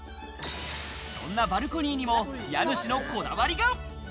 そんなバルコニーにも家主のこだわりが。